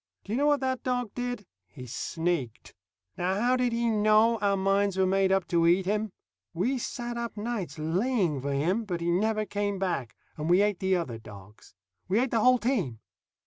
Do you know what that dog did? He sneaked. Now how did he know our minds were made up to eat him? We sat up nights laying for him, but he never came back, and we ate the other dogs. We ate the whole team.